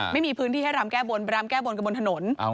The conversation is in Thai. ไม่มีพื้นที่ให้รำแก้บนไปรำแก้บนกันบนถนน